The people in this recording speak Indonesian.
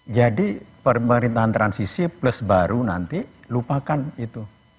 jadi pemerintahan transisi plus baru nanti lupakan itu